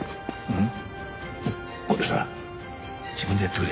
うん。